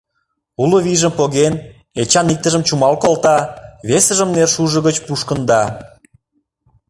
Уло вийжым поген, Эчан иктыжым чумал колта, весыжым нершужо гыч мушкында.